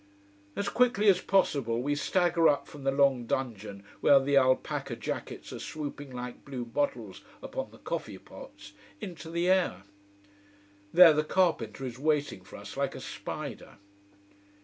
As quickly as possible we stagger up from the long dungeon where the alpaca jackets are swooping like blue bottles upon the coffee pots, into the air. There the carpenter is waiting for us, like a spider.